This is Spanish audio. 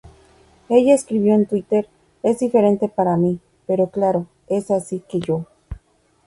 Ella escribió en Twitter, "Es diferente para mí, pero claro, es así que yo!".